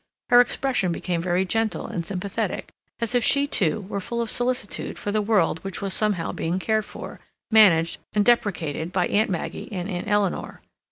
Her expression became very gentle and sympathetic, as if she, too, were full of solicitude for the world which was somehow being cared for, managed and deprecated by Aunt Maggie and Aunt Eleanor.